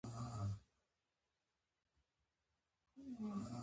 هیلۍ د ماشومانو د سندرو موضوع ده